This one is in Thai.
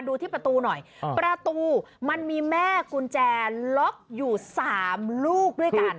ดูที่ประตูหน่อยประตูมันมีแม่กุญแจล็อกอยู่๓ลูกด้วยกัน